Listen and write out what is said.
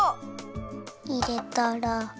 いれたら。